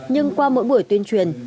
nhưng qua mỗi buổi tuyên truyền